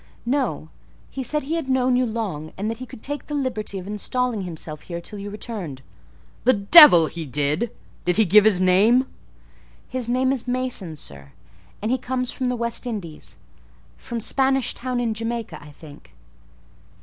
"No; he said he had known you long, and that he could take the liberty of installing himself here till you returned." "The devil he did! Did he give his name?" "His name is Mason, sir; and he comes from the West Indies; from Spanish Town, in Jamaica, I think."